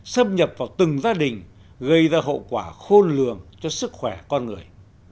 xâm nhập vào từng gia đình gây ra hậu quả khôn lường cho sức khỏe con người